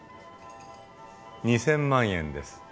２，０００万円です。